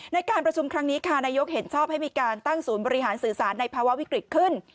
ในการประชุมครั้งนี้ค่ะนายกเห็นชอบให้มีการตั้งศูนย์บริหารสื่อสารในภาวะวิกฤตขึ้น